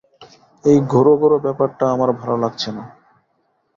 এই ঘোর-ঘোর ব্যাপারটা আমার ভালো লাগছে না।